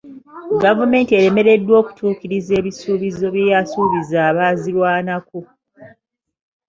Gavumenti eremereddwa okutuukiriza ebisuubizo bye yasuubiza abaazirwanako.